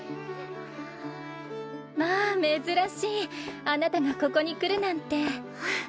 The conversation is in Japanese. まあ珍しいあなたがここに来るなんて